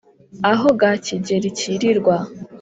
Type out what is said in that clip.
Aho ga Kigeli kirirwa